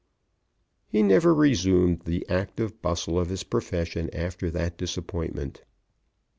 He never resumed the active bustle of his profession after that disappointment.